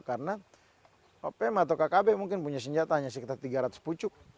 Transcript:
karena kkb mungkin punya senjata sekitar tiga ratus pucuk